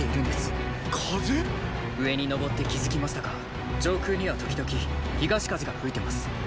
上に登って気付きましたが上空には時々東風が吹いてます。